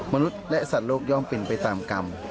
มนุษย์และสัตว์โลกย่อมเป็นไปตามกรรม